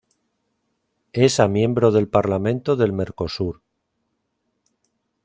Es a miembro del Parlamento del Mercosur.